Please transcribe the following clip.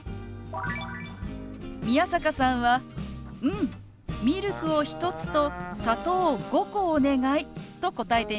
宮坂さんは「うん！ミルクを１つと砂糖を５個お願い」と答えていました。